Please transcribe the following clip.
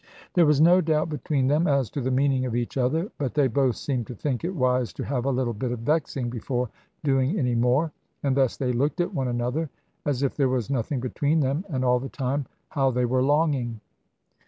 There was no doubt between them as to the meaning of each other. But they both seemed to think it wise to have a little bit of vexing before doing any more. And thus they looked at one another as if there was nothing between them. And all the time, how they were longing!